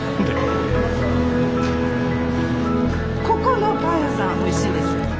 ここのパン屋さんおいしいんですよ。